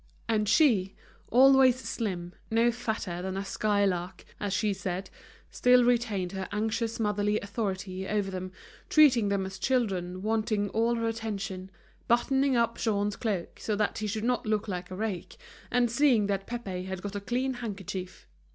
And she, always slim, no fatter than a skylark, as she said, still retained her anxious motherly authority over them, treating them as children wanting all her attention, buttoning up Jean's coat so that he should not look like a rake, and seeing that Pépé had got a clean handkerchief.